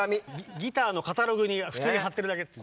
ギターのカタログに普通に貼ってるだけっていう。